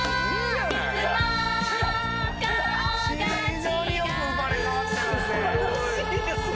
非常によく生まれ変わってますね。